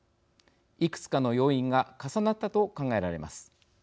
いくつかの要因が重なったと考えられます。